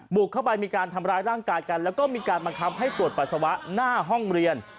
บุกเข้าไปมีการทำร้ายร่างกายกันแล้วก็มีการบังคับให้ตรวจปัสสาวะหน้าห้องเรียน